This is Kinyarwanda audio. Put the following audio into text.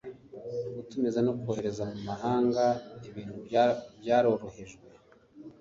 Gutumiza no kohereza mu mahanga ibintu byarorohejwe